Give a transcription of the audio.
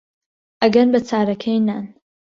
ئەگەن بە چارەکەی نان